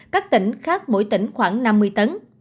các tỉnh khác mỗi tỉnh khoảng năm mươi tấn